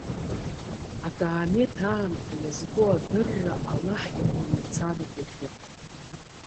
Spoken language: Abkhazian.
Акаамеҭ аамҭа иазку адырра Аллаҳ иҟны мацароуп иахьыҟоу.